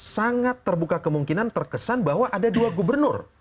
sangat terbuka kemungkinan terkesan bahwa ada dua gubernur